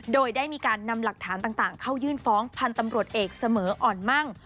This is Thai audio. โดยได้มีการนำหลักฐานต่างเข้ายื่นฟ้องพันธ์ตำรวจเอกเสมออ่อนมั่ง